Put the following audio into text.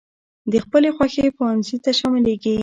د خپلې خوښي پونځي ته شاملېږي.